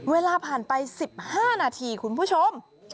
เวลาผ่านไป๑๕นาทีคุณผู้ชม